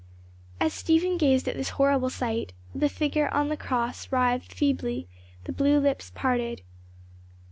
As Stephen gazed at this horrible sight, the figure on the cross writhed feebly, the blue lips parted.